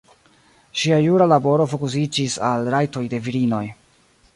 Ŝia jura laboro fokusiĝis al rajtoj de virinoj.